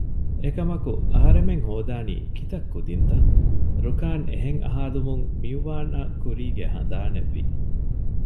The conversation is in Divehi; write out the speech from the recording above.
އެކަމަކު އަހަރެމެން ހޯދާނީ ކިތައް ކުދިންތަ؟ ރުކާން އެހެން އަހާލުމުން މިއުވާންއަށް ކުރީގެ ހަނދާނެއްވި